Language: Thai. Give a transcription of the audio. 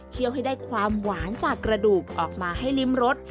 ให้ได้ความหวานจากกระดูกออกมาให้ริมรส